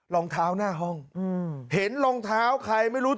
รองเท้าหน้าห้องเห็นรองเท้าใครไม่รู้